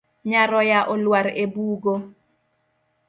Nyaroya olwar e bugo.